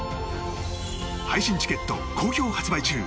配信チケット好評発売中。